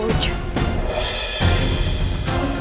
kamu harus percaya kepadaku rai